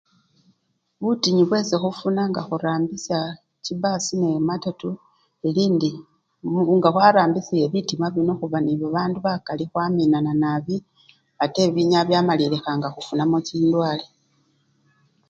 Butinyu bwesi khufuna nga khurambisya chipasi nende matatu, eli indi nga khwarambisye bitima bino khubechanga nende bandu bakali khwaminana nabi ate binyala bamalilikha nga khufunamo chindwale.